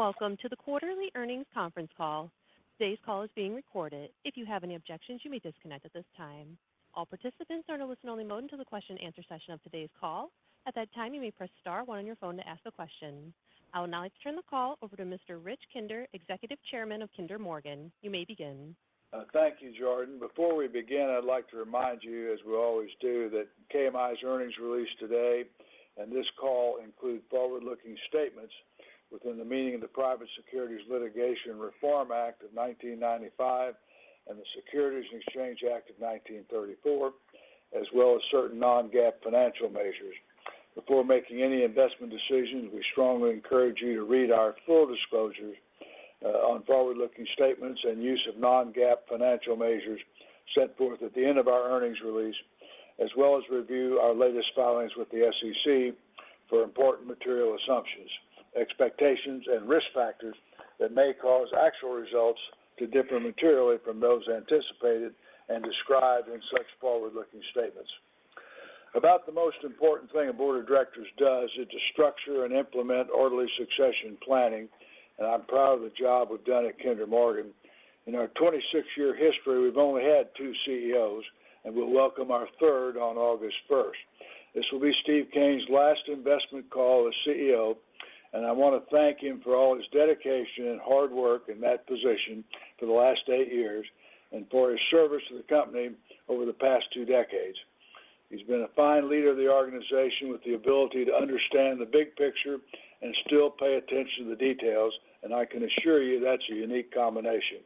Welcome to the quarterly earnings conference call. Today's call is being recorded. If you have any objections, you may disconnect at this time. All participants are in a listen-only mode until the question and answer session of today's call. At that time, you may press star one on your phone to ask a question. I would now like to turn the call over to Mr. Rich Kinder, Executive Chairman of Kinder Morgan. You may begin. Thank you, Jordan. Before we begin, I'd like to remind you, as we always do, that KMI's earnings release today, and this call include forward-looking statements within the meaning of the Private Securities Litigation Reform Act of 1995 and the Securities Exchange Act of 1934, as well as certain non-GAAP financial measures. Before making any investment decisions, we strongly encourage you to read our full disclosures on forward-looking statements and use of non-GAAP financial measures set forth at the end of our earnings release, as well as review our latest filings with the SEC for important material assumptions, expectations, and risk factors that may cause actual results to differ materially from those anticipated and described in such forward-looking statements. About the most important thing a board of directors does is to structure and implement orderly succession planning. I'm proud of the job we've done at Kinder Morgan. In our 26-year history, we've only had two CEOs. We'll welcome our third on August 1st. This will be Steve Kean's last investment call as CEO. I want to thank him for all his dedication and hard work in that position for the last eight years and for his service to the company over the past two decades. He's been a fine leader of the organization with the ability to understand the big picture and still pay attention to details. I can assure you that's a unique combination.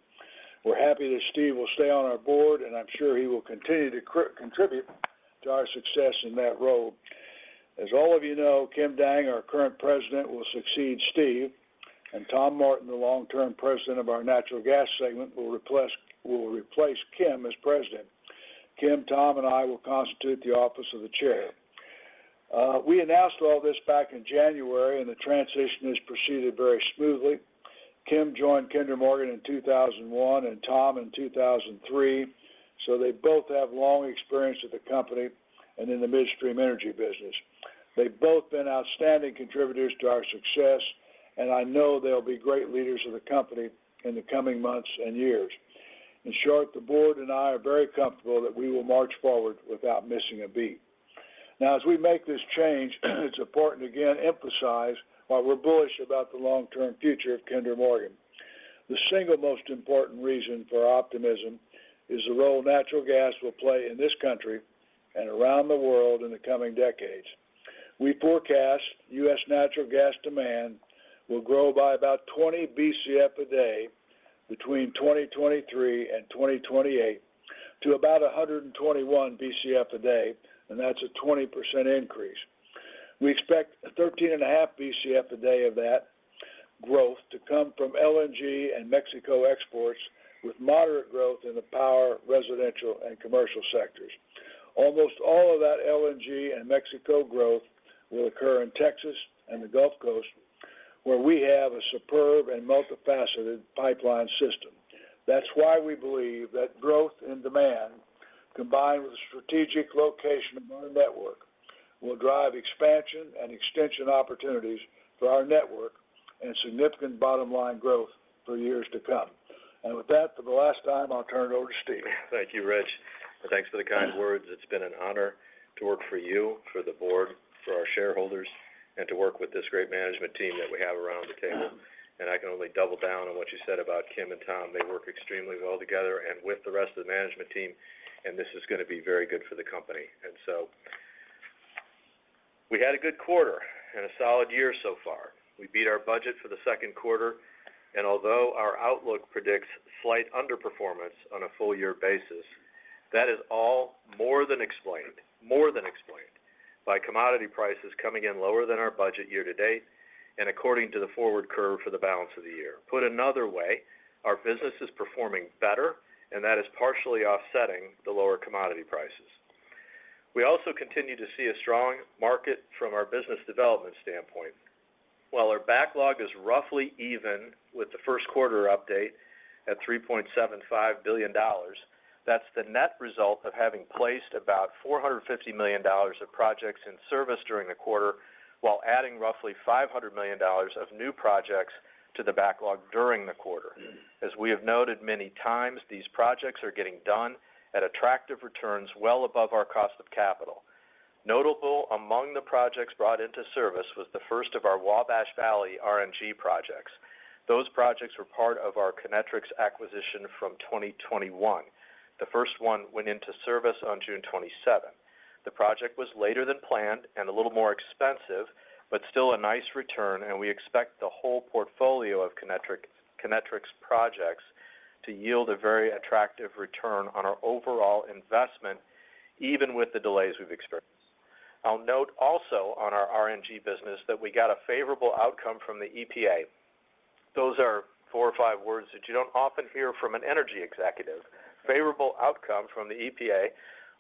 We're happy that Steve will stay on our board. I'm sure he will continue to contribute to our success in that role. As all of you know, Kim Dang, our current President, will succeed Steve, Tom Martin, the long-term President of our natural gas segment, will replace Kim as President. Kim, Tom, and I will constitute the office of the Chair. We announced all this back in January, the transition has proceeded very smoothly. Kim joined Kinder Morgan in 2001, Tom in 2003, they both have long experience with the company and in the midstream energy business. They've both been outstanding contributors to our success, I know they'll be great leaders of the company in the coming months and years. In short, the board and I are very comfortable that we will march forward without missing a beat. As we make this change, it's important to again emphasize why we're bullish about the long-term future of Kinder Morgan. The single most important reason for optimism is the role natural gas will play in this country and around the world in the coming decades. We forecast U.S. natural gas demand will grow by about 20 Bcf a day between 2023 and 2028 to about 121 Bcf a day, and that's a 20% increase. We expect a 13.5 Bcf a day of that growth to come from LNG and Mexico exports, with moderate growth in the power, residential, and commercial sectors. Almost all of that LNG and Mexico growth will occur in Texas and the Gulf Coast, where we have a superb and multifaceted pipeline system. That's why we believe that growth and demand, combined with the strategic location of our network, will drive expansion and extension opportunities for our network and significant bottom line growth for years to come. With that, for the last time, I'll turn it over to Steve. Thank you, Rich. Thanks for the kind words. It's been an honor to work for you, for the board, for our shareholders, and to work with this great management team that we have around the table. I can only double down on what you said about Kim and Tom. They work extremely well together and with the rest of the management team, and this is going to be very good for the company. We had a good quarter and a solid year so far. We beat our budget for the second quarter, and although our outlook predicts slight underperformance on a full year basis, that is all more than explained by commodity prices coming in lower than our budget year to date and according to the forward curve for the balance of the year. Put another way, our business is performing better, and that is partially offsetting the lower commodity prices. We also continue to see a strong market from our business development standpoint. While our backlog is roughly even with the first quarter update at $3.75 billion, that's the net result of having placed about $450 million of projects in service during the quarter, while adding roughly $500 million of new projects to the backlog during the quarter. As we have noted many times, these projects are getting done at attractive returns well above our cost of capital. Notable among the projects brought into service was the first of our Wabash Valley RNG projects. Those projects were part of our Kinetrex acquisition from 2021. The first one went into service on June 27. The project was later than planned and a little more expensive, but still a nice return. We expect the whole portfolio of Kinetrex projects to yield a very attractive return on our overall investment, even with the delays we've experienced. I'll note also on our RNG business that we got a favorable outcome from the EPA. Those are four or five words that you don't often hear from an energy executive. Favorable outcome from the EPA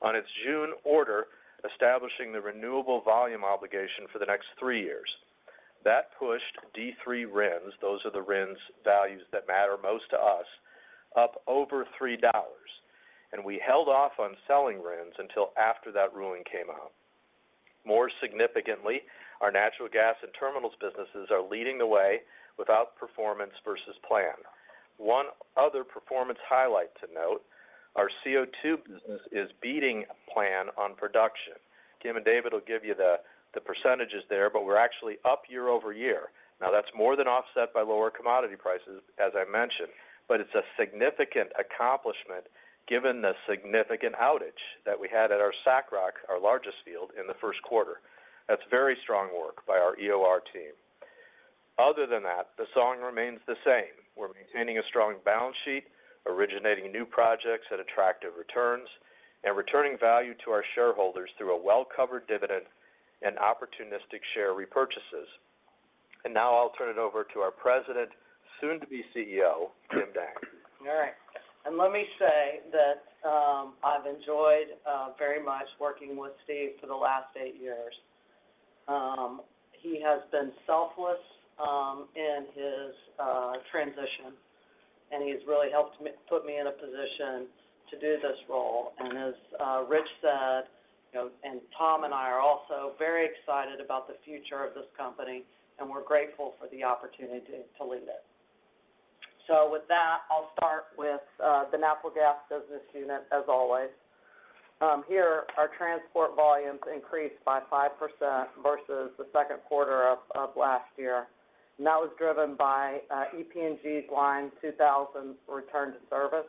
on its June order, establishing the renewable volume obligation for the next three years. That pushed D3 RINs, those are the RINs values that matter most to us, up over $3, and we held off on selling RINs until after that ruling came out. More significantly, our natural gas and terminals businesses are leading the way without performance versus plan. One other performance highlight to note, our CO2 business is beating plan on production. Kim and David will give you the percentages there, we're actually up year-over-year. That's more than offset by lower commodity prices, as I mentioned, it's a significant accomplishment given the significant outage that we had at our SACROC, our largest field, in the first quarter. That's very strong work by our EOR team. Other than that, the song remains the same. We're maintaining a strong balance sheet, originating new projects at attractive returns, and returning value to our shareholders through a well-covered dividend and opportunistic share repurchases. I'll turn it over to our President, soon to be CEO, Kimberly Dang. All right. Let me say that I've enjoyed very much working with Steve Kean for the last eight years. He has been selfless in his transition, and he's really put me in a position to do this role. As Rich Kinder said, you know, Tom Martin and I are also very excited about the future of this company, and we're grateful for the opportunity to lead it. With that, I'll start with the natural gas business unit, as always. Here, our transport volumes increased by 5% versus the second quarter of last year. That was driven by EPNG's Line 2000 return to service.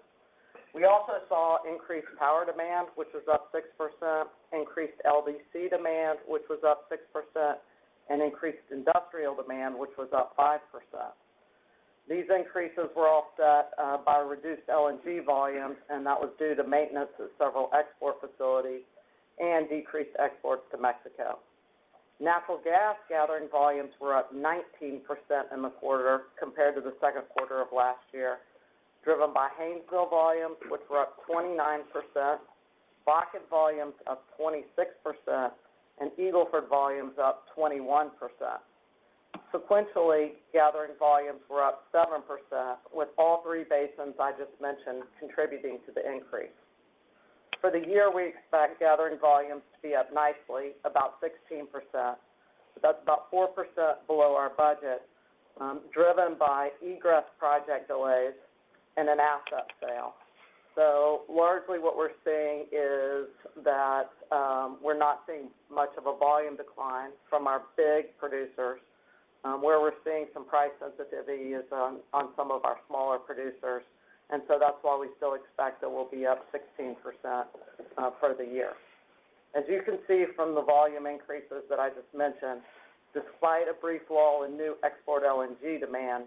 We also saw increased power demand, which was up 6%, increased LDC demand, which was up 6%, and increased industrial demand, which was up 5%. These increases were offset by reduced LNG volumes, and that was due to maintenance of several export facilities and decreased exports to Mexico. Natural gas gathering volumes were up 19% in the quarter compared to the second quarter of last year, driven by Haynesville volumes, which were up 29%, Bakken volumes up 26%, and Eagle Ford volumes up 21%. Sequentially, gathering volumes were up 7%, with all three basins I just mentioned contributing to the increase. For the year, we expect gathering volumes to be up nicely, about 16%. That's about 4% below our budget, driven by egress project delays and an asset sale. Largely, what we're seeing is that we're not seeing much of a volume decline from our big producers. Where we're seeing some price sensitivity is on some of our smaller producers, that's why we still expect that we'll be up 16% for the year. As you can see from the volume increases that I just mentioned, despite a brief lull in new export LNG demand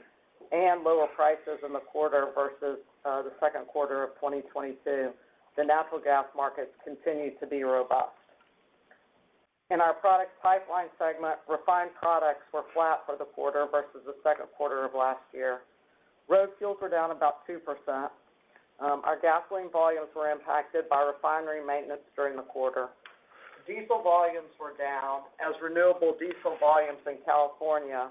and lower prices in the quarter versus the second quarter of 2022, the natural gas markets continue to be robust. In our products pipeline segment, refined products were flat for the quarter versus the second quarter of last year. Road fuels were down about 2%. Our gasoline volumes were impacted by refinery maintenance during the quarter. Diesel volumes were down, as renewable diesel volumes in California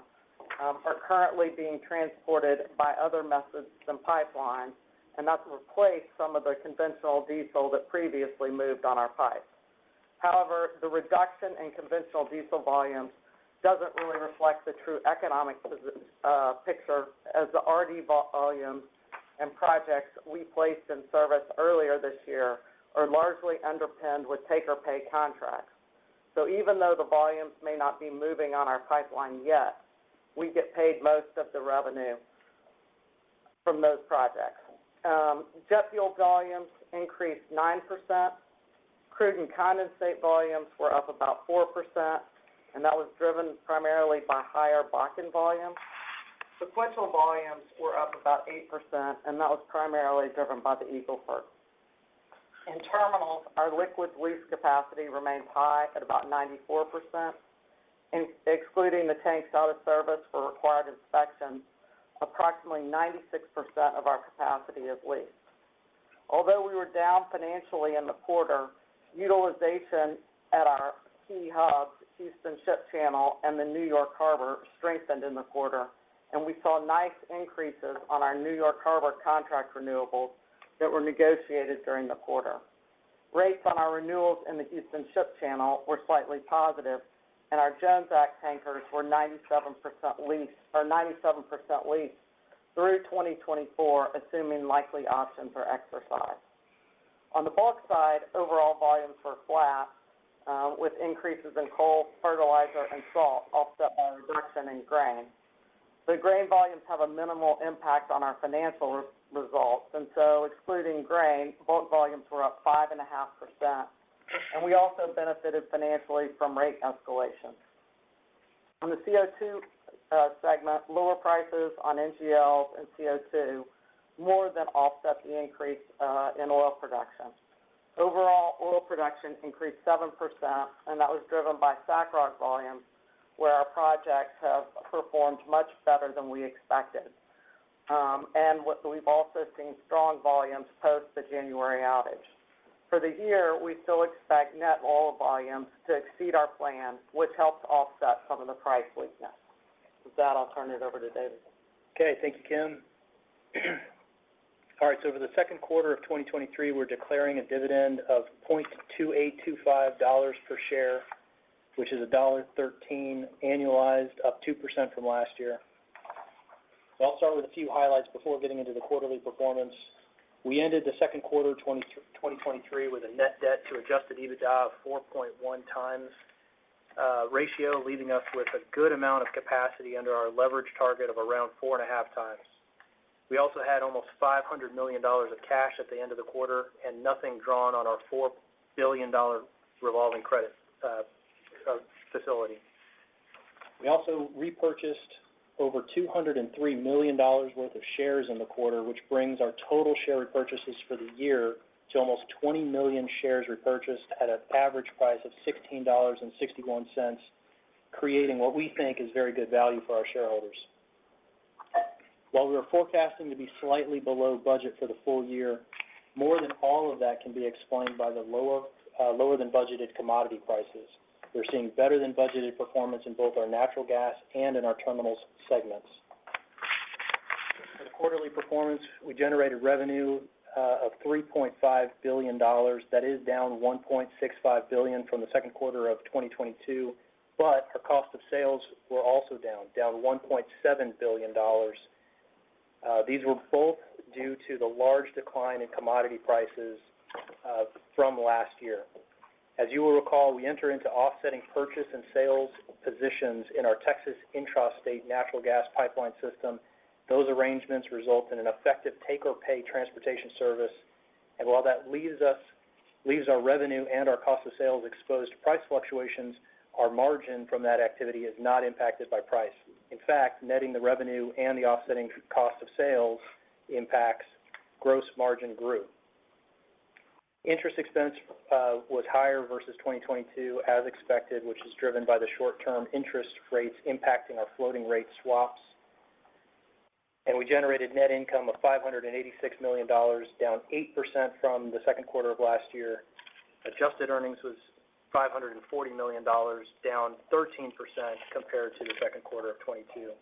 are currently being transported by other methods than pipeline, and that's replaced some of the conventional diesel that previously moved on our pipe. The reduction in conventional diesel volumes doesn't really reflect the true economic picture, as the RD volumes and projects we placed in service earlier this year are largely underpinned with take-or-pay contracts. Even though the volumes may not be moving on our pipeline yet, we get paid most of the revenue from those projects. Jet fuel volumes increased 9%. Crude and condensate volumes were up about 4%, and that was driven primarily by higher Bakken volumes. Sequential volumes were up about 8%, and that was primarily driven by the Eagle Ford. In terminals, our liquids lease capacity remained high at about 94%, excluding the tanks out of service for required inspections, approximately 96% of our capacity is leased. Although we were down financially in the quarter, utilization at our key hubs, Houston Ship Channel and the New York Harbor, strengthened in the quarter, and we saw nice increases on our New York Harbor contract renewables that were negotiated during the quarter. Rates on our renewals in the Houston Ship Channel were slightly positive, and our Jones Act tankers were 97% leased through 2024, assuming likely options are exercised. On the bulk side, overall volumes were flat, with increases in coal, fertilizer, and salt offset by a reduction in grain. The grain volumes have a minimal impact on our financial results, and so excluding grain, bulk volumes were up 5.5%, and we also benefited financially from rate escalation. On the CO2 segment, lower prices on NGLs and CO2 more than offset the increase in oil production. Overall, oil production increased 7%, that was driven by SACROC volumes, where our projects have performed much better than we expected. We've also seen strong volumes post the January outage. For the year, we still expect net oil volumes to exceed our plan, which helps to offset some of the price weakness. With that, I'll turn it over to David. Okay. Thank you, Kim. All right, for the second quarter of 2023, we're declaring a dividend of $0.2825 per share, which is $1.13 annualized, up 2% from last year. I'll start with a few highlights before getting into the quarterly performance. We ended the second quarter of 2023 with a net debt to adjusted EBITDA of 4.1x ratio, leaving us with a good amount of capacity under our leverage target of around 4.5x. We also had almost $500 million of cash at the end of the quarter, and nothing drawn on our $4 billion revolving credit facility. We also repurchased over $203 million worth of shares in the quarter, which brings our total share repurchases for the year to almost 20 million shares repurchased at an average price of $16.61, creating what we think is very good value for our shareholders. While we are forecasting to be slightly below budget for the full year, more than all of that can be explained by the lower than budgeted commodity prices. We're seeing better than budgeted performance in both our natural gas and in our terminals segments. For the quarterly performance, we generated revenue of $3.5 billion. That is down $1.65 billion from the second quarter of 2022, but our cost of sales were also down $1.7 billion. These were both due to the large decline in commodity prices from last year. As you will recall, we enter into offsetting purchase and sales positions in our Texas intrastate natural gas pipeline system. Those arrangements result in an effective take-or-pay transportation service, and while that leaves our revenue and our cost of sales exposed to price fluctuations, our margin from that activity is not impacted by price. In fact, netting the revenue and the offsetting cost of sales impacts gross margin grew. Interest expense was higher versus 2022 as expected, which is driven by the short-term interest rates impacting our floating rate swaps. We generated net income of $586 million, down 8% from the second quarter of last year. Adjusted earnings was $540 million, down 13% compared to the second quarter of 2022.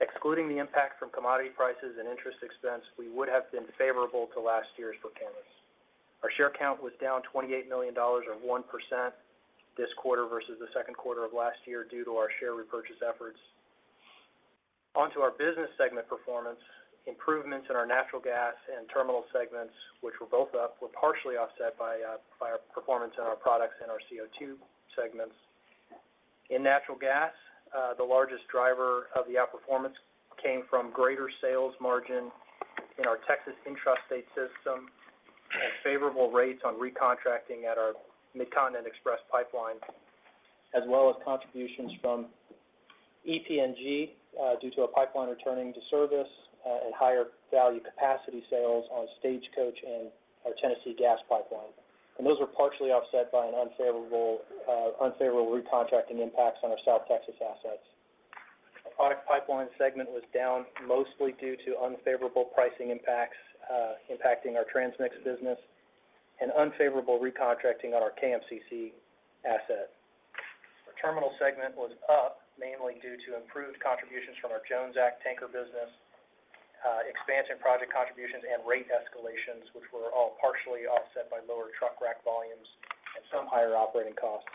Excluding the impact from commodity prices and interest expense, we would have been favorable to last year's performance. Our share count was down $28 million, or 1% this quarter versus the second quarter of last year, due to our share repurchase efforts. On to our business segment performance. Improvements in our natural gas and terminal segments, which were both up, were partially offset by our performance in our products and our CO2 segments. In natural gas, the largest driver of the outperformance came from greater sales margin in our Texas intrastate system, and favorable rates on recontracting at our Midcontinent Express pipelines, as well as contributions from EPNG, due to a pipeline returning to service, and higher value capacity sales on Stagecoach and our Tennessee Gas Pipeline. Those were partially offset by an unfavorable recontracting impacts on our South Texas assets. Our product pipeline segment was down mostly due to unfavorable pricing impacts, impacting our Transmix business and unfavorable recontracting on our KMCC asset. Our terminal segment was up, mainly due to improved contributions from our Jones Act tanker business, expansion project contributions, and rate escalations, which were all partially offset by lower truck rack volumes and some higher operating costs.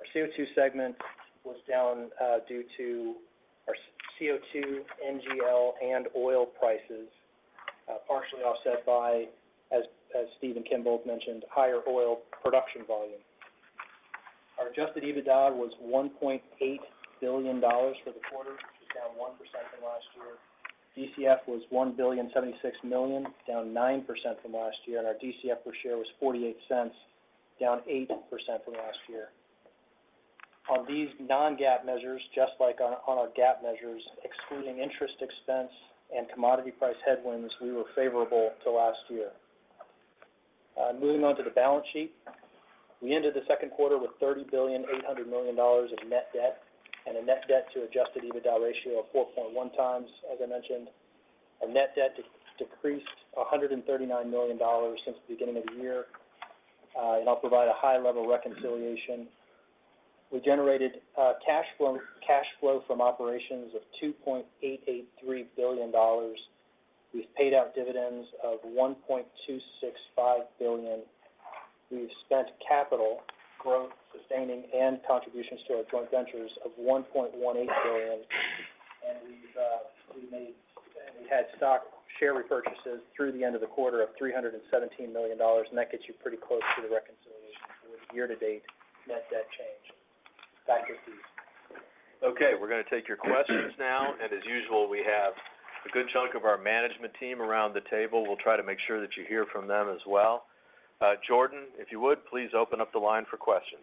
Our CO2 segment was down due to our CO2, NGL, and oil prices, partially offset by, as Steve and Kim both mentioned, higher oil production volume. Our adjusted EBITDA was $1.8 billion for the quarter, which is down 1% from last year. DCF was $1.076 billion, down 9% from last year, and our DCF per share was $0.48, down 8% from last year. On these non-GAAP measures, just like on our GAAP measures, excluding interest expense and commodity price headwinds, we were favorable to last year. Moving on to the balance sheet. We ended the second quarter with $30.8 billion of net debt, and a net debt to adjusted EBITDA ratio of 4.1x, as I mentioned. Our net debt decreased $139 million since the beginning of the year. I'll provide a high-level reconciliation. We generated cash flow from operations of $2.883 billion. We've paid out dividends of $1.265 billion. We've spent capital growth, sustaining, and contributions to our joint ventures of $1.18 billion. We had stock share repurchases through the end of the quarter of $317 million. That gets you pretty close to the reconciliation with year-to-date net debt change. Back to Steve. Okay, we're going to take your questions now, and as usual, we have a good chunk of our management team around the table. We'll try to make sure that you hear from them as well. Jordan, if you would, please open up the line for questions.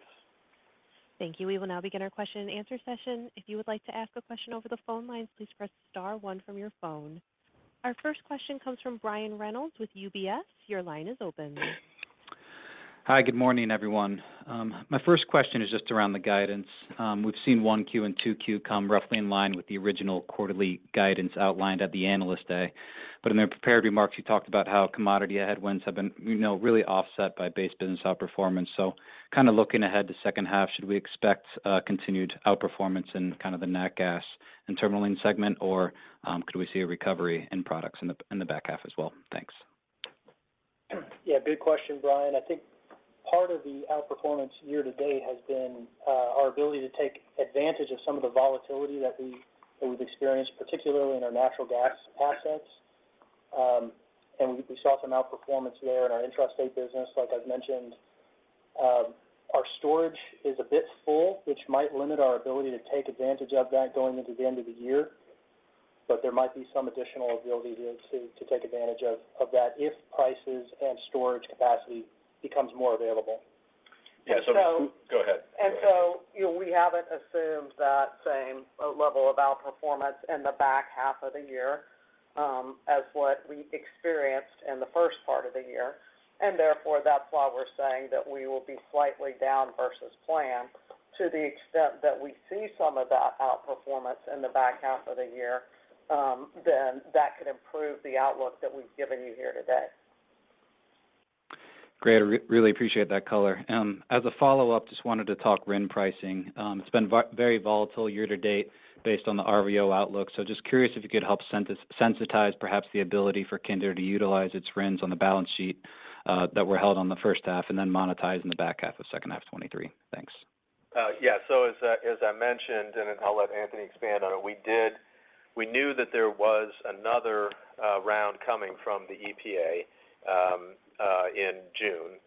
Thank you. We will now begin our question and answer session. If you would like to ask a question over the phone lines, please press star one from your phone. Our first question comes from Brian Reynolds with UBS. Your line is open. Hi, good morning, everyone. My first question is just around the guidance. We've seen 1Q and 2Q come roughly in line with the original quarterly guidance outlined at the Investor Day. In the prepared remarks, you talked about how commodity headwinds have been, you know, really offset by base business outperformance. Kind of looking ahead to second half, should we expect continued outperformance in kind of the nat gas and terminaling segment, or could we see a recovery in products in the back half as well? Thanks. Yeah, good question, Brian. I think part of the outperformance year-to-date has been our ability to take advantage of some of the volatility that we've experienced, particularly in our natural gas assets. We saw some outperformance there in our intrastate business, like I've mentioned. Our storage is a bit full, which might limit our ability to take advantage of that going into the end of the year. There might be some additional ability to take advantage of that if prices and storage capacity becomes more available. Yeah. And so- Go ahead. You know, we haven't assumed that same level of outperformance in the back half of the year as what we experienced in the first part of the year. That's why we're saying that we will be slightly down versus plan. To the extent that we see some of that outperformance in the back half of the year, that could improve the outlook that we've given you here today. Great. I really appreciate that color. As a follow-up, just wanted to talk RIN pricing. It's been very volatile year to date based on the RVO outlook. Just curious if you could help sensitize perhaps the ability for Kinder to utilize its RINs on the balance sheet that were held on the first half and then monetize in the back half of second half 2023. Thanks. As I mentioned, and then I'll let Anthony expand on it, we knew that there was another round coming from the EPA in June.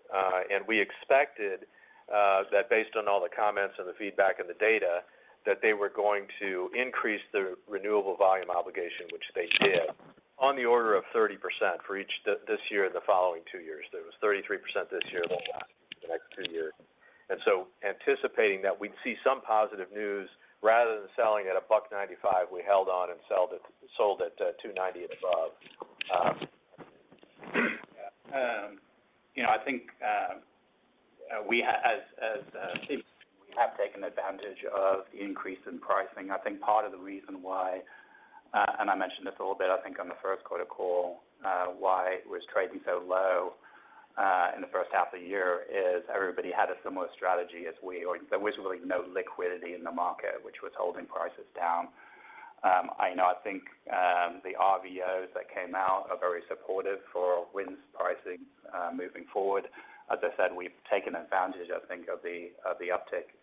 We expected that based on all the comments and the feedback and the data, that they were going to increase their Renewable Volume Obligation, which they did, on the order of 30% for each this year and the following two years. There was 33% this year, then the next two years. Anticipating that we'd see some positive news, rather than selling at $1.95, we held on and sold at $2.90 and above. You know, I think, we as we have taken advantage of the increase in pricing. I think part of the reason why, and I mentioned this a little bit, I think on the first quarter call, why it was trading so low, in the first half of the year, is everybody had a similar strategy as we are. There was really no liquidity in the market, which was holding prices down. I know I think, the RVOs that came out are very supportive for RINs pricing, moving forward. As I said, we've taken advantage, I think, of the uptick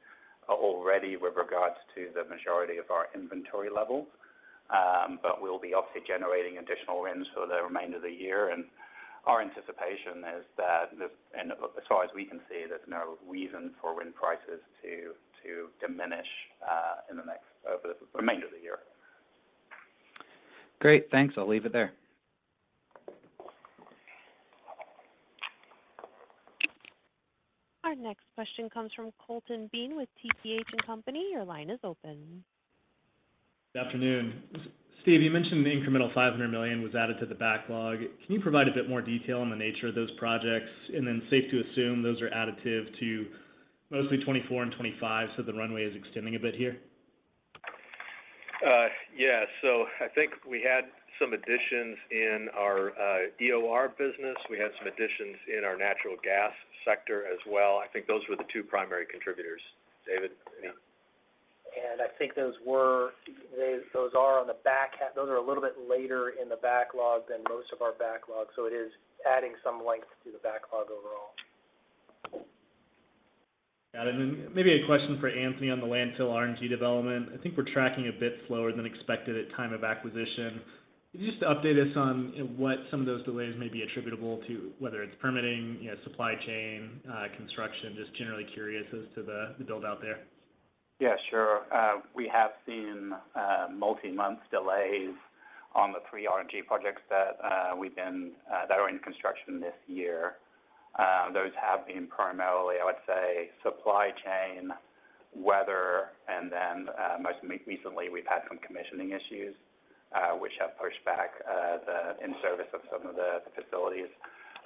already with regards to the majority of our inventory levels. We'll be obviously generating additional RINs for the remainder of the year. Our anticipation is that the, as far as we can see, there's no reason for RIN prices to diminish for the remainder of the year. Great, thanks. I'll leave it there. Our next question comes from Colton Bean with TPH&Co. Your line is open. Good afternoon. Steve, you mentioned the incremental $500 million was added to the backlog. Can you provide a bit more detail on the nature of those projects? Safe to assume those are additive to mostly 2024 and 2025, so the runway is extending a bit here? Yeah. I think we had some additions in our EOR business. We had some additions in our natural gas sector as well. I think those were the two primary contributors. David? I think those were, those are on the back half. Those are a little bit later in the backlog than most of our backlog. It is adding some length to the backlog overall. Got it. Maybe a question for Anthony on the landfill RNG development. I think we're tracking a bit slower than expected at time of acquisition. Could you just update us on what some of those delays may be attributable to, whether it's permitting, you know, supply chain, construction? Just generally curious as to the build out there. Yeah, sure. We have seen multi-month delays on the three RNG projects that we've been that are in construction this year. Those have been primarily, I would say, supply chain, weather, and then most recently, we've had some commissioning issues, which have pushed back the in-service of some of the facilities.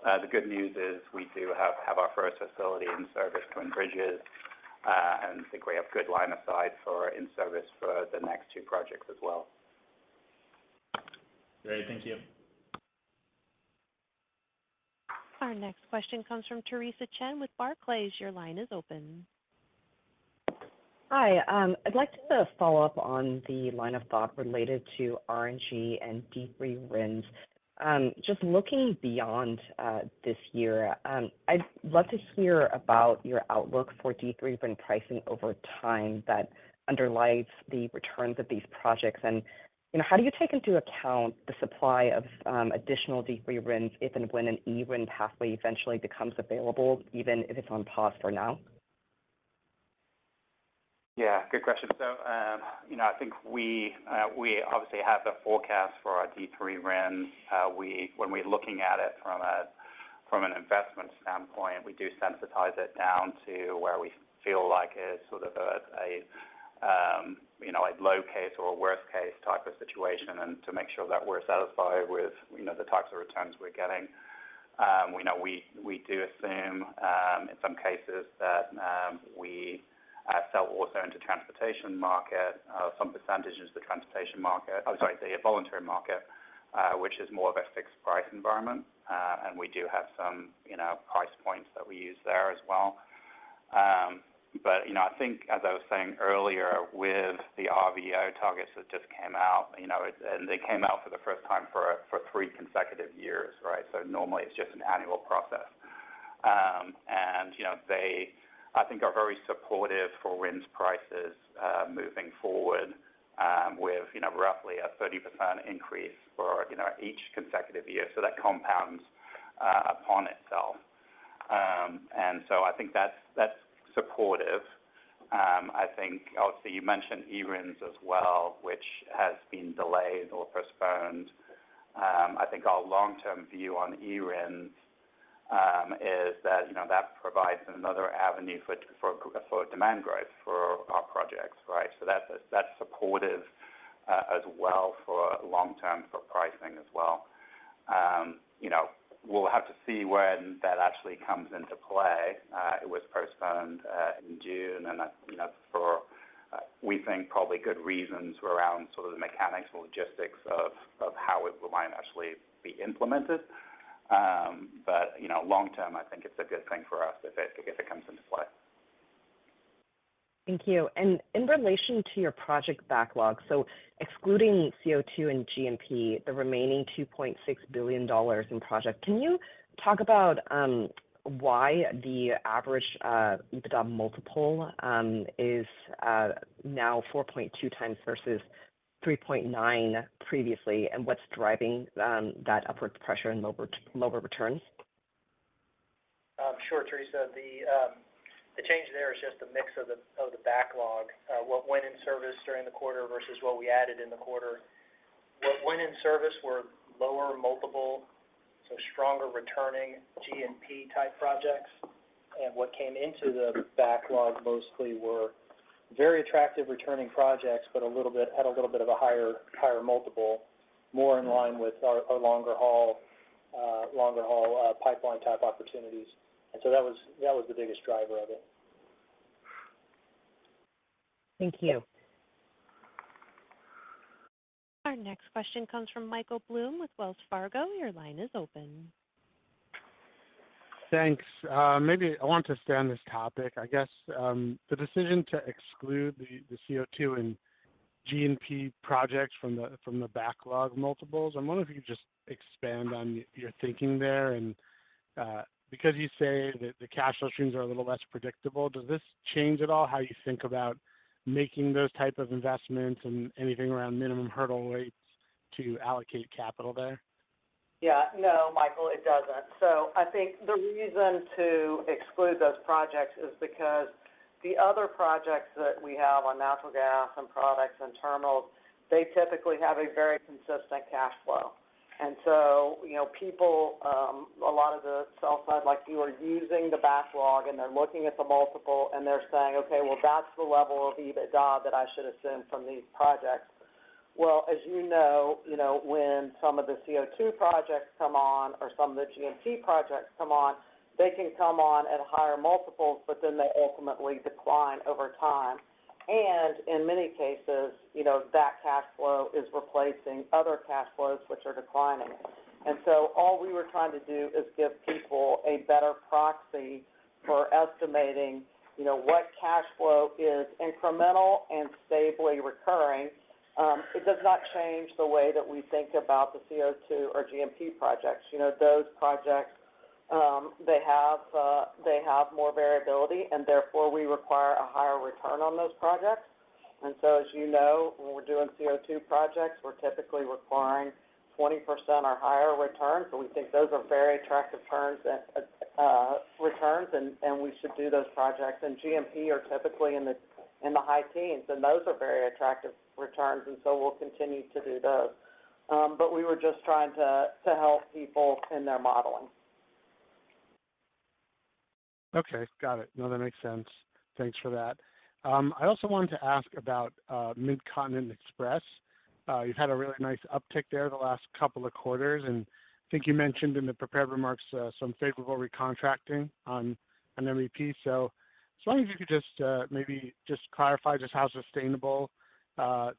The good news is, we do have our first facility in service, Twin Bridges, and I think we have good line of sight for in-service for the next two projects as well. Great. Thank you. Our next question comes from Theresa Chen with Barclays. Your line is open. Hi. I'd like to follow up on the line of thought related to RNG and D3 RINs. Just looking beyond this year, I'd love to hear about your outlook for D3 RIN pricing over time that underlies the returns of these projects. You know, how do you take into account the supply of additional D3 RINs if and when an eRIN pathway eventually becomes available, even if it's on pause for now? Yeah, good question. You know, I think we obviously have the forecast for our D3 RINs. When we're looking at it from an investment standpoint, we do sensitize it down to where we feel like it is sort of a, you know, a low case or a worst case type of situation, and to make sure that we're satisfied with, you know, the types of returns we're getting. We know we do assume, in some cases that we sell also into transportation market, some percentages of the transportation market-- I'm sorry, the voluntary market, which is more of a fixed price environment. We do have some, you know, price points that we use there as well. You know, I think as I was saying earlier with the RVO targets that just came out, you know, and they came out for the first time for three consecutive years, right? Normally it's just an annual process. You know, they, I think, are very supportive for RINs prices moving forward with, you know, roughly a 30% increase for, you know, each consecutive year. That compounds upon itself. I think that's supportive. I think obviously, you mentioned eRINs as well, which has been delayed or postponed. I think our long-term view on eRINs is that, you know, that provides another avenue for demand growth for our projects, right? That's supportive as well for long term for pricing as well. You know, we'll have to see when that actually comes into play. It was postponed in June, and that's, you know, for, we think, probably good reasons around sort of the mechanics or logistics of how it will might actually be implemented. You know, long term, I think it's a good thing for us if it, if it comes into play. Thank you. In relation to your project backlog, so excluding CO2 and G&P, the remaining $2.6 billion in project, can you talk about why the average EBITDA multiple is now 4.2x versus 3.9x previously? What's driving that upward pressure and lower returns? Sure, Theresa. The change there is just a mix of the, of the backlog. What went in service during the quarter versus what we added in the quarter. What went in service were lower multiple, so stronger returning G&P type projects. What came into the backlog mostly were very attractive returning projects, but at a little bit of a higher multiple, more in line with our longer haul pipeline type opportunities. So that was the biggest driver of it. Thank you. Our next question comes from Michael Blum with Wells Fargo. Your line is open. Thanks. Maybe I want to stay on this topic. I guess, the decision to exclude the CO2 and G&P projects from the, from the backlog multiples, I'm wondering if you could just expand on your thinking there? Because you say that the cash flow streams are a little less predictable, does this change at all how you think about making those type of investments and anything around minimum hurdle rates to allocate capital there? Yeah. No, Michael, it doesn't. I think the reason to exclude those projects is because the other projects that we have on natural gas and products and terminals, they typically have a very consistent cash flow. you know, people, a lot of the sell side, like you are using the backlog and they're looking at the multiple and they're saying, "Okay, well, that's the level of EBITDA that I should assume from these projects." As you know, you know, when some of the CO2 projects come on or some of the G&P projects come on, they can come on at higher multiples, they ultimately decline over time. In many cases, you know, that cash flow is replacing other cash flows, which are declining. All we were trying to do is give people a better proxy for estimating, you know, what cash flow is incremental and stably recurring. It does not change the way that we think about the CO2 or G&P projects. You know, those projects, they have more variability, and therefore we require a higher return on those projects. As you know, when we're doing CO2 projects, we're typically requiring 20% or higher returns, so we think those are very attractive returns, and we should do those projects. G&P are typically in the high teens, and those are very attractive returns, and so we'll continue to do those. We were just trying to help people in their modeling. Okay, got it. No, that makes sense. Thanks for that. I also wanted to ask about Midcontinent Express. You've had a really nice uptick there the last couple of quarters, and I think you mentioned in the prepared remarks, some favorable recontracting on MEP. I was wondering if you could just maybe just clarify just how sustainable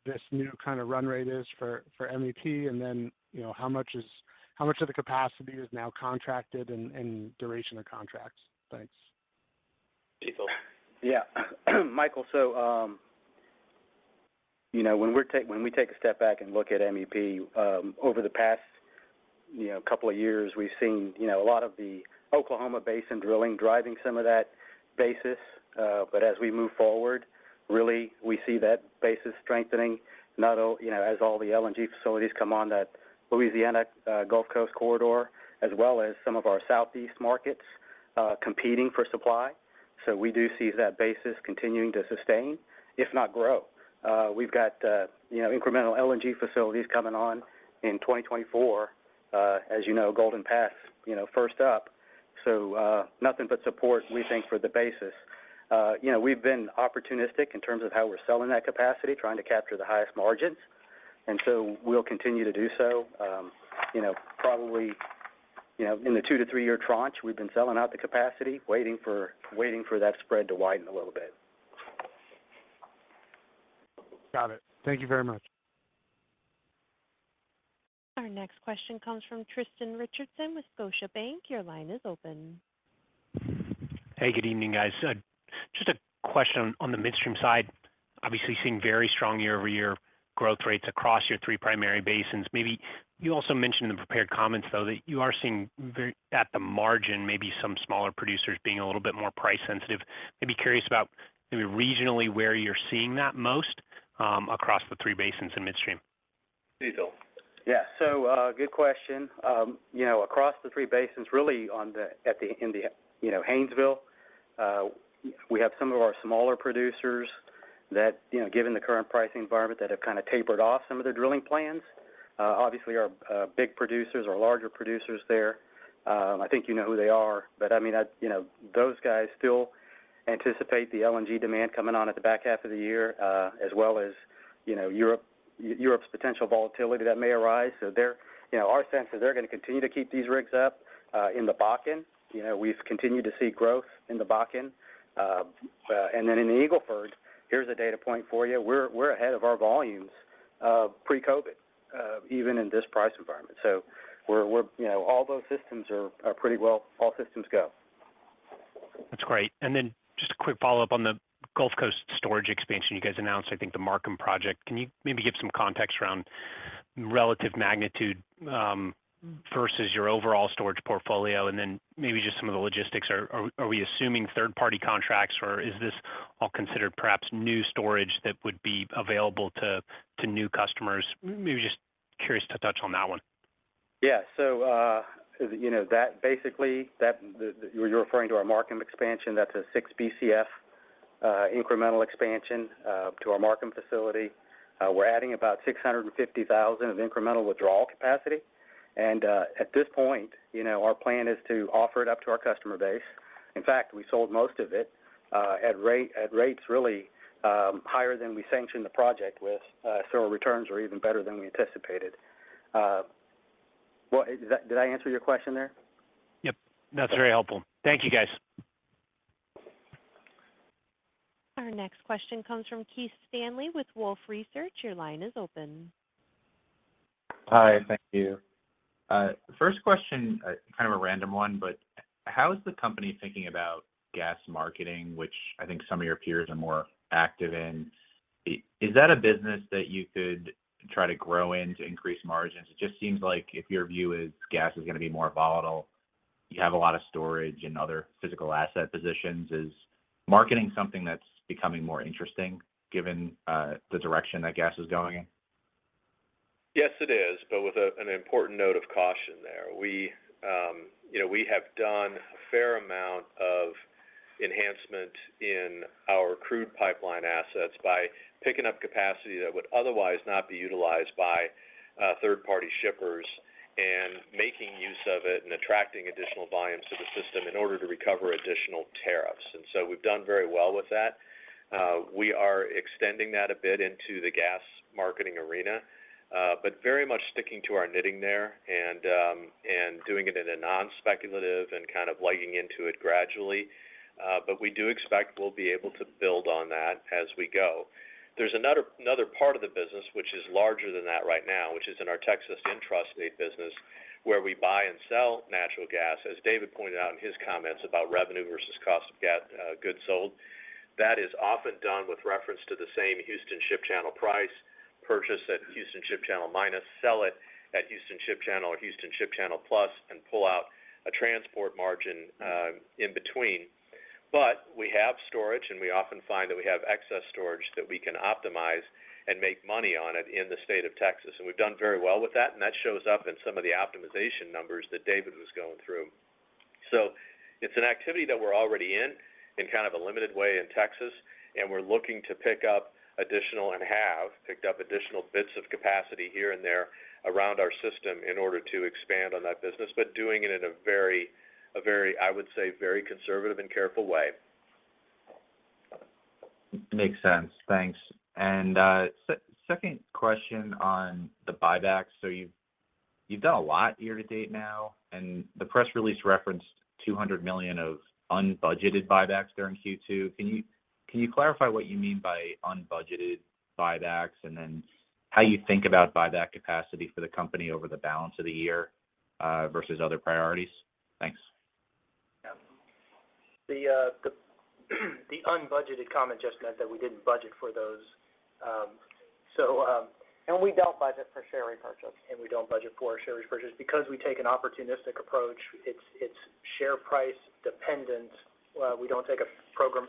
this new kind of run rate is for MEP, and then, you know, how much of the capacity is now contracted and duration of contracts? Thanks. Yeah. Michael, you know, when we take a step back and look at MEP, over the past, you know, couple of years, we've seen, you know, a lot of the Oklahoma Basin drilling, driving some of that basis. As we move forward, really, we see that basis strengthening, not only, you know, as all the LNG facilities come on that Louisiana, Gulf Coast corridor, as well as some of our Southeast markets, competing for supply. We do see that basis continuing to sustain, if not grow. We've got, you know, incremental LNG facilities coming on in 2024. As you know, Golden Pass, you know, first up, nothing but support, we think, for the basis. You know, we've been opportunistic in terms of how we're selling that capacity, trying to capture the highest margins, and so we'll continue to do so. you know, probably, you know, in the two- to three-year tranche, we've been selling out the capacity, waiting for that spread to widen a little bit. Got it. Thank you very much. Our next question comes from Tristan Richardson with Scotiabank. Your line is open. Hey, good evening, guys. Just a question on the midstream side. Obviously, seeing very strong year-over-year growth rates across your three primary basins. Maybe you also mentioned in the prepared comments, though, that you are seeing at the margin, maybe some smaller producers being a little bit more price sensitive. I'd be curious about maybe regionally, where you're seeing that most, across the three basins in midstream? Diesel. Yeah. Good question. You know, across the three basins, really on the, at the, in the, you know, Haynesville, we have some of our smaller producers that, you know, given the current pricing environment, that have kind of tapered off some of their drilling plans. Obviously, our big producers or larger producers there, I think you know who they are, but I mean, I, you know, those guys still anticipate the LNG demand coming on at the back half of the year, as well as, you know, Europe's potential volatility that may arise. You know, our sense is they're going to continue to keep these rigs up in the Bakken. You know, we've continued to see growth in the Bakken. In the Eagle Ford, here's a data point for you. We're ahead of our volumes, pre-COVID, even in this price environment. We're, you know, all those systems are pretty well, all systems go. That's great. Just a quick follow-up on the Gulf Coast storage expansion you guys announced, I think the Markham project. Can you maybe give some context around relative magnitude versus your overall storage portfolio? Maybe just some of the logistics. Are we assuming third-party contracts, or is this all considered perhaps new storage that would be available to new customers? Maybe just curious to touch on that one. Yeah. you know, that basically, you're referring to our Markham expansion, that's a 6 Bcf incremental expansion to our Markham facility. We're adding about 650,000 of incremental withdrawal capacity. At this point, you know, our plan is to offer it up to our customer base. In fact, we sold most of it at rates really higher than we sanctioned the project with. Our returns are even better than we anticipated. Well, did I answer your question there? Yep. That's very helpful. Thank you, guys. Our next question comes from Keith Stanley with Wolfe Research. Your line is open. Hi, thank you. first question, kind of a random one, but how is the company thinking about gas marketing, which I think some of your peers are more active in? Is that a business that you could try to grow in to increase margins? It just seems like if your view is gas is going to be more volatile, you have a lot of storage and other physical asset positions. Is marketing something that's becoming more interesting given the direction that gas is going in? Yes, it is, with an important note of caution there. We, you know, we have done a fair amount of enhancement in our crude pipeline assets by picking up capacity that would otherwise not be utilized by third-party shippers, and making use of it and attracting additional volumes to the system in order to recover additional tariffs. We've done very well with that. We are extending that a bit into the gas marketing arena, but very much sticking to our knitting there and doing it in a non-speculative and kind of legging into it gradually. We do expect we'll be able to build on that as we go. There's another part of the business which is larger than that right now, which is in our Texas intrastate business, where we buy and sell natural gas. As David pointed out in his comments about revenue versus cost of gas, goods sold, that is often done with reference to the same Houston Ship Channel price purchase at Houston Ship Channel minus, sell it at Houston Ship Channel or Houston Ship Channel plus, and pull out a transport margin in between. We have storage, and we often find that we have excess storage that we can optimize and make money on it in the state of Texas, and we've done very well with that, and that shows up in some of the optimization numbers that David was going through. It's an activity that we're already in kind of a limited way in Texas, and we're looking to pick up additional and have picked up additional bits of capacity here and there around our system in order to expand on that business, but doing it in a very, I would say, very conservative and careful way. Makes sense. Thanks. Second question on the buybacks. You've done a lot year to date now, and the press release referenced $200 million of unbudgeted buybacks during Q2. Can you clarify what you mean by unbudgeted buybacks, and then how you think about buyback capacity for the company over the balance of the year versus other priorities? Thanks. Yeah. The, the unbudgeted comment just meant that we didn't budget for those. We don't budget for share repurchase. We don't budget for share repurchases because we take an opportunistic approach. It's share price dependent. We don't take a program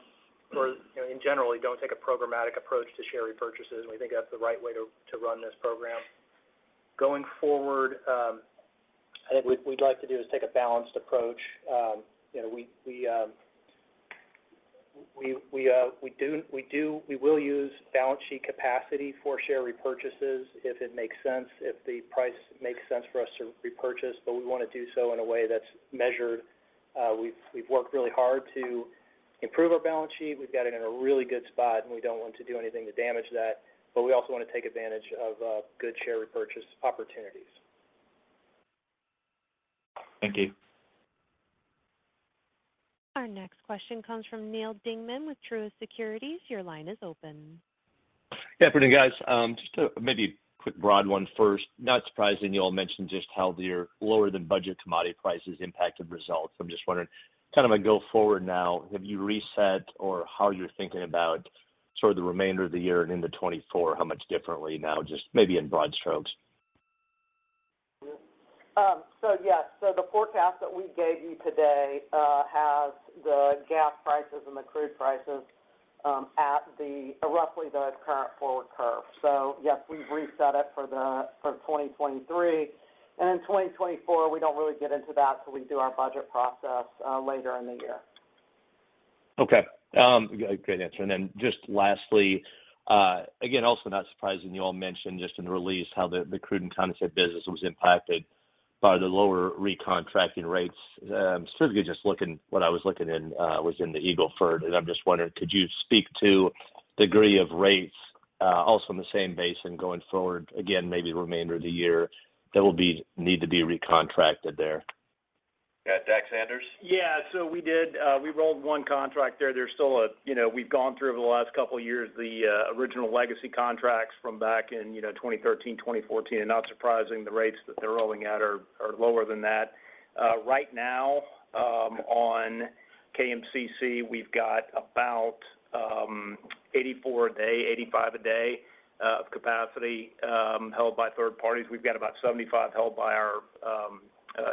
or, you know, in general, we don't take a programmatic approach to share repurchases. We think that's the right way to run this program. Going forward, I think we'd like to do is take a balanced approach. You know, we do, we will use balance sheet capacity for share repurchases if it makes sense, if the price makes sense for us to repurchase, but we want to do so in a way that's measured. We've worked really hard to improve our balance sheet. We've got it in a really good spot, and we don't want to do anything to damage that, but we also want to take advantage of good share repurchase opportunities. Thank you. Our next question comes from Neal Dingmann with Truist Securities. Your line is open. Good morning, guys. Just a maybe quick broad one first. Not surprising, you all mentioned just how your lower-than-budget commodity prices impacted results. I'm just wondering, kind of a go forward now, have you reset or how you're thinking about sort of the remainder of the year and into 2024, how much differently now, just maybe in broad strokes? Yes. The forecast that we gave you today has the gas prices and the crude prices roughly the current forward curve. Yes, we've reset it for 2023. In 2024, we don't really get into that till we do our budget process later in the year. Okay. Great answer. Just lastly, again, also not surprising, you all mentioned just in the release how the crude and condensate business was impacted by the lower recontracting rates. Specifically what I was looking in was in the Eagle Ford, and I'm just wondering, could you speak to degree of rates also in the same basin going forward? Maybe the remainder of the year need to be recontracted there. Yeah. Dax Sanders? We did, we rolled one contract there. There's still, you know, we've gone through over the last couple of years, the original legacy contracts from back in, you know, 2013, 2014, and not surprising, the rates that they're rolling out are lower than that. Right now, on KMCC, we've got about 84 a day, 85 a day capacity held by third parties. We've got about 75 held by our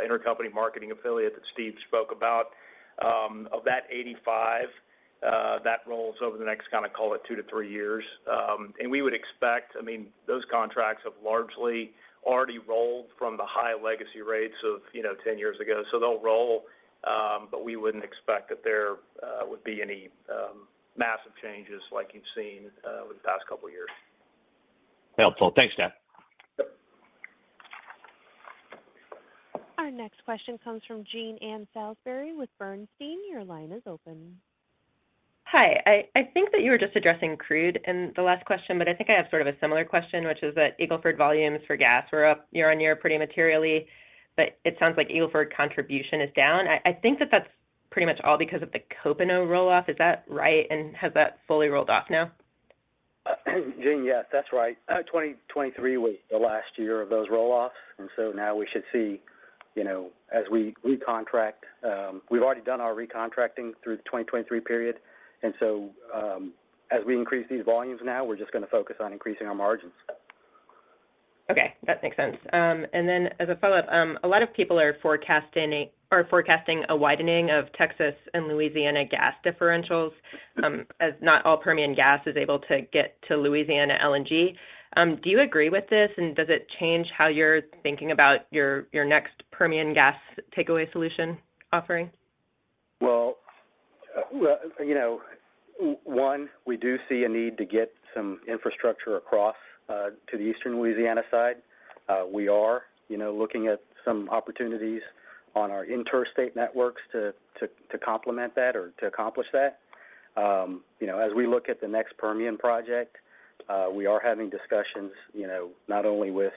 intercompany marketing affiliate that Steve spoke about. Of that 85 that rolls over the next, kind of, call it two to three years. We would expect, I mean, those contracts have largely already rolled from the high legacy rates of, you know, 10 years ago. They'll roll, but we wouldn't expect that there would be any massive changes like you've seen over the past couple of years. Helpful. Thanks, Dax. Yep. Our next question comes from Jean Ann Salisbury with Bernstein. Your line is open. Hi. I think that you were just addressing crude in the last question, but I think I have sort of a similar question, which is that Eagle Ford volumes for gas were up year-on-year pretty materially, but it sounds like Eagle Ford contribution is down. I think that that's pretty much all because of the Copano roll-off. Is that right? Has that fully rolled off now? Jean, yes, that's right. 2023 was the last year of those roll-offs. Now we should see, you know, as we recontract. We've already done our recontracting through the 2023 period. As we increase these volumes now, we're just gonna focus on increasing our margins. Okay, that makes sense. Then as a follow-up, a lot of people are forecasting a widening of Texas and Louisiana gas differentials, as not all Permian Gas is able to get to Louisiana LNG. Do you agree with this, and does it change how you're thinking about your next Permian Gas takeaway solution offering? Well, you know, one, we do see a need to get some infrastructure across to the Eastern Louisiana side. We are, you know, looking at some opportunities on our interstate networks to complement that or to accomplish that. You know, as we look at the next Permian project, we are having discussions, you know, not only with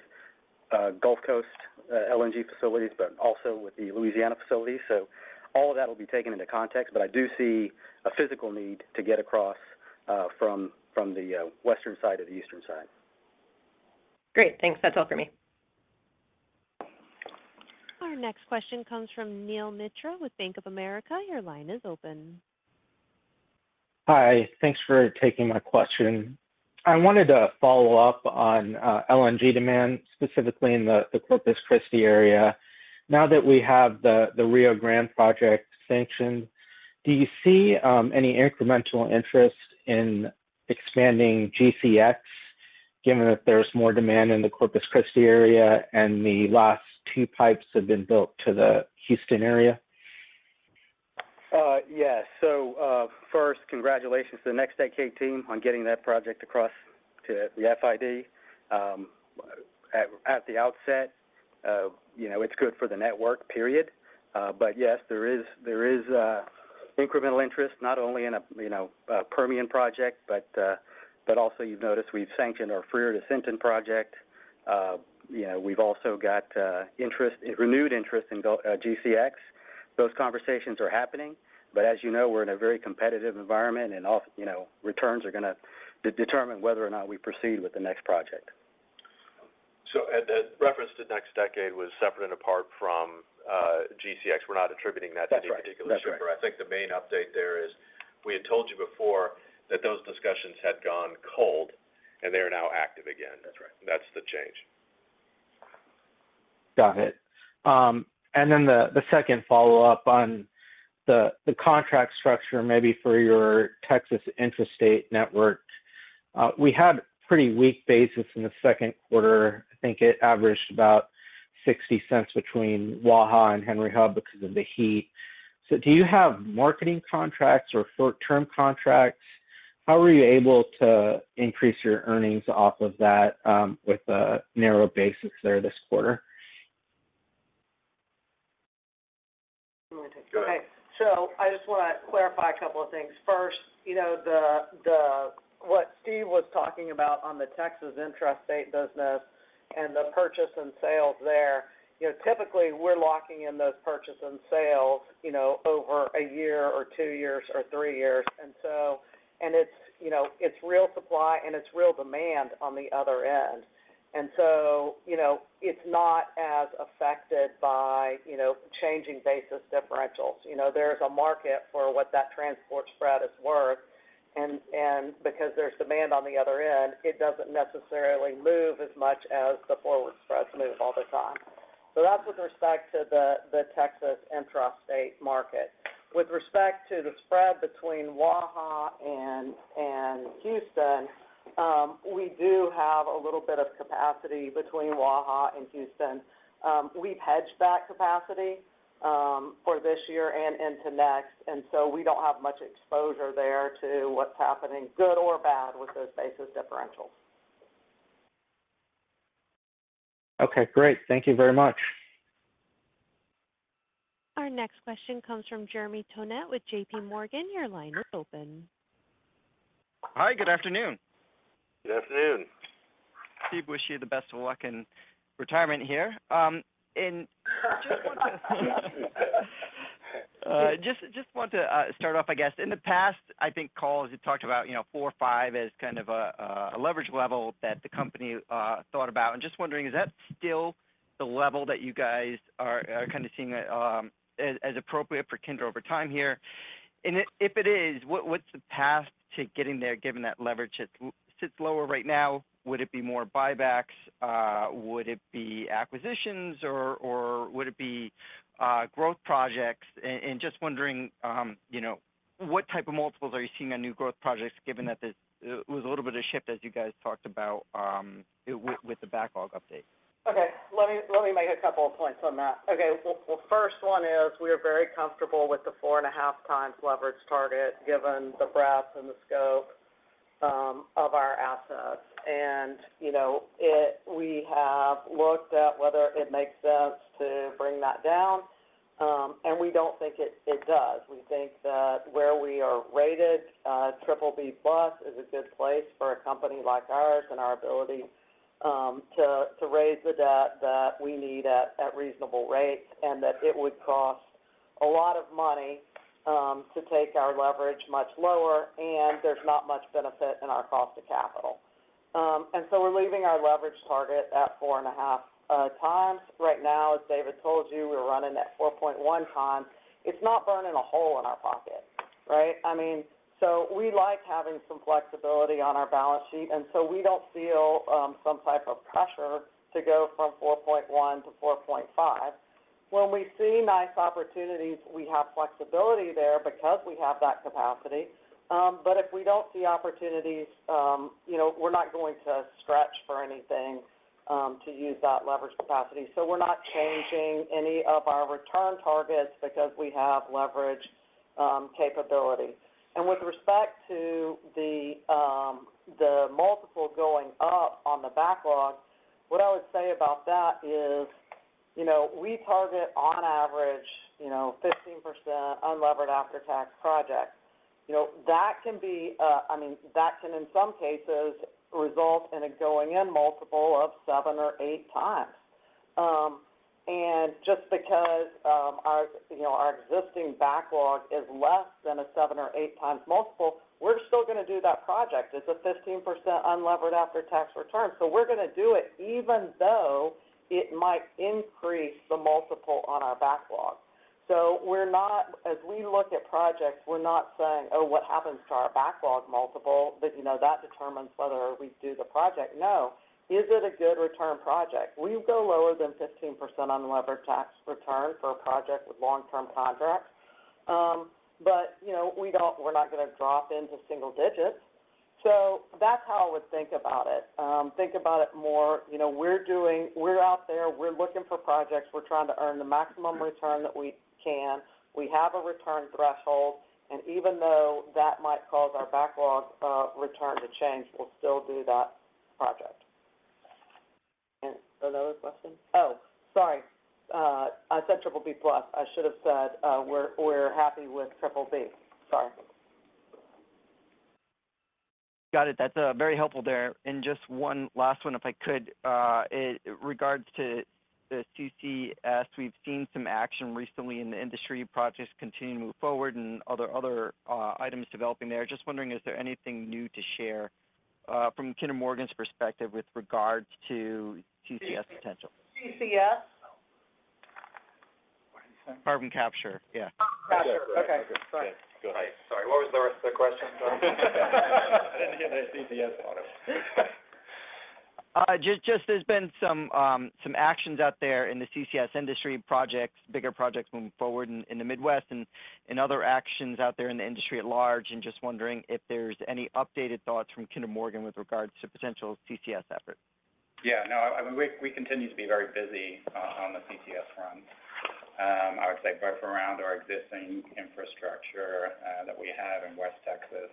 Gulf Coast LNG facilities, but also with the Louisiana facilities. So all of that will be taken into context, but I do see a physical need to get across from the western side to the eastern side. Great. Thanks. That's all for me. Our next question comes from Neel Mitra with Bank of America. Your line is open. Hi. Thanks for taking my question. I wanted to follow up on LNG demand, specifically in the Corpus Christi area. Now that we have the Rio Grande project sanctioned, do you see any incremental interest in expanding GCX, given that there's more demand in the Corpus Christi area and the last two pipes have been built to the Houston area? Yes. First, congratulations to the NextDecade team on getting that project across to the FID. At the outset, you know, it's good for the network, period. Yes, there is incremental interest, not only in a, you know, a Permian project, but also you've noticed we've sanctioned our Freer to Sinton project. You know, we've also got interest, renewed interest in GCX. Those conversations are happening, but as you know, we're in a very competitive environment, and all, you know, returns are gonna determine whether or not we proceed with the next project. That the reference to NextDecade was separate and apart from, GCX. We're not attributing that to any. That's right. I think the main update there is, we had told you before that those discussions had gone cold, and they are now active again. That's right. That's the change. Got it. Then the second follow-up on the contract structure, maybe for your Texas intrastate network. We had pretty weak basis in the second quarter. I think it averaged about $0.60 between Waha and Henry Hub because of the heat. Do you have marketing contracts or short-term contracts? How were you able to increase your earnings off of that, with the narrow basis there this quarter? I just want to clarify a couple of things. First, you know, what Steve was talking about on the Texas intrastate business, and the purchase and sales there, you know, typically, we're locking in those purchase and sales, you know, over one year or two years or three years. It's, you know, it's real supply, and it's real demand on the other end. You know, it's not as affected by, you know, changing basis differentials. You know, there's a market for what that transport spread is worth, and because there's demand on the other end, it doesn't necessarily move as much as the forward spreads move all the time. That's with respect to the Texas intrastate market. With respect to the spread between Waha and Houston, we do have a little bit of capacity between Waha and Houston. We've hedged that capacity for this year and into next, and so we don't have much exposure there to what's happening, good or bad, with those basis differentials. Okay, great. Thank you very much. Our next question comes from Jeremy Tonet with JPMorgan. Your line is open. Hi, good afternoon. Good afternoon. Steve, wish you the best of luck in retirement here. Just want to start off, I guess. In the past, I think, calls, you talked about, you know, four or five as kind of a leverage level that the company thought about. I'm just wondering, is that still the level that you guys are kind of seeing, as appropriate for Kinder over time here? If it is, what's the path to getting there, given that leverage sits lower right now? Would it be more buybacks? Would it be acquisitions, or would it be growth projects? Just wondering, you know, what type of multiples are you seeing on new growth projects, given that there was a little bit of shift, as you guys talked about, with the backlog update? Okay. Let me make a couple of points on that. Okay. Well, first one is, we are very comfortable with the 4.5x leverage target, given the breadth and the scope of our assets. You know, we have looked at whether it makes sense to bring that down, and we don't think it does. We think that where we are rated, BBB+, is a good place for a company like ours, and our ability to raise the debt that we need at reasonable rates, and that it would cost a lot of money to take our leverage much lower, and there's not much benefit in our cost to capital. We're leaving our leverage target at 4.5x. Right now, as David told you, we're running at 4.1x. It's not burning a hole in our pocket, right? I mean, we like having some flexibility on our balance sheet, we don't feel some type of pressure to go from 4.1x to 4.5x. When we see nice opportunities, we have flexibility there because we have that capacity. If we don't see opportunities, you know, we're not going to stretch for anything to use that leverage capacity. We're not changing any of our return targets because we have leverage capability. With respect to the multiple going up on the backlog, what I would say about that is, you know, we target on average, you know, 15% unlevered after-tax projects. You know, that can be, I mean, that can, in some cases, result in a going-in multiple of 7x or 8x. Just because, our, you know, our existing backlog is less than a 7x or 8x multiple, we're still gonna do that project. It's a 15% unlevered after-tax return, we're gonna do it even though it might increase the multiple on our backlog. As we look at projects, we're not saying, "Oh, what happens to our backlog multiple?" That, you know, that determines whether we do the project. No. Is it a good return project? We go lower than 15% unlevered tax return for a project with long-term contracts. You know, we're not gonna drop into single digits. That's how I would think about it. Think about it more, you know, we're out there, we're looking for projects. We're trying to earn the maximum return that we can. We have a return threshold, and even though that might cause our backlog, return to change, we'll still do that project. Are there other questions? Oh, sorry. I said BBB+. I should have said, we're happy with BBB. Sorry. Got it. That's very helpful there. Just one last one, if I could. It regards to the CCS. We've seen some action recently in the industry, projects continuing to move forward and other items developing there. Just wondering, is there anything new to share from Kinder Morgan's perspective with regards to CCS potential? CCS? Sorry, say again? Carbon capture, yeah. Carbon capture. Okay. Yeah. Go ahead. Sorry, what was the rest of the question, Tom? I didn't hear the CCS part of it. Just there's been some actions out there in the CCS industry projects, bigger projects moving forward in the Midwest and other actions out there in the industry at large. Just wondering if there's any updated thoughts from Kinder Morgan with regards to potential CCS efforts. No, I mean, we continue to be very busy on the CCS front. I would say both around our existing infrastructure that we have in West Texas.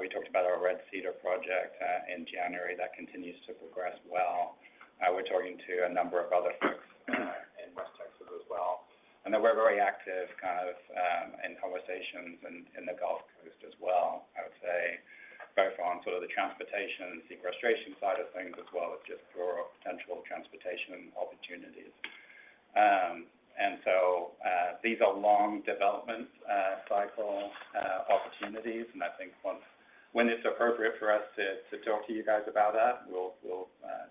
We talked about our Red Cedar project in January. That continues to progress well. We're talking to a number of other folks in West Texas as well. We're very active, kind of, in conversations in the Gulf Coast as well, I would say, both on sort of the transportation and sequestration side of things, as well as just for potential transportation opportunities. These are long development cycle opportunities. I think when it's appropriate for us to talk to you guys about that, we'll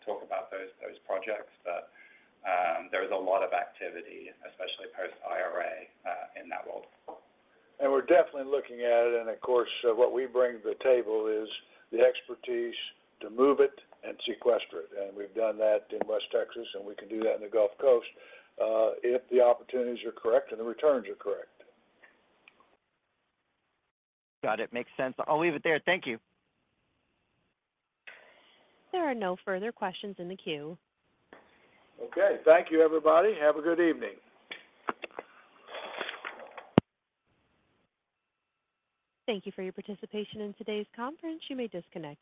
talk about those projects. There is a lot of activity, especially post-IRA, in that world. We're definitely looking at it, and of course, what we bring to the table is the expertise to move it and sequester it, and we've done that in West Texas, and we can do that in the Gulf Coast, if the opportunities are correct and the returns are correct. Got it. Makes sense. I'll leave it there. Thank you. There are no further questions in the queue. Okay. Thank you, everybody. Have a good evening. Thank you for your participation in today's conference. You may disconnect.